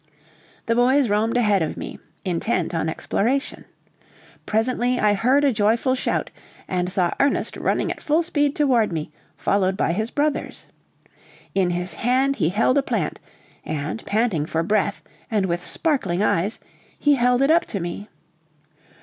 The boys roamed ahead of me, intent on exploration. Presently I heard a joyful shout, and saw Ernest running at full speed toward me, followed by his brothers. In his hand he held a plant, and, panting for breath, and with sparkling eyes, he held it up to me.